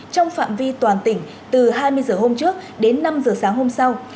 trong phạm vi toàn tỉnh từ hai mươi giờ hôm trước đến năm h sáng hôm sau